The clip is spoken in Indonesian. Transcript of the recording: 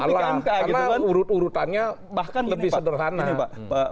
karena urut urutannya bahkan lebih sederhana